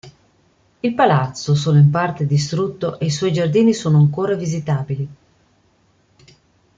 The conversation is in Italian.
Il palazzo solo in parte distrutto e i suoi giardini sono ancora visitabili.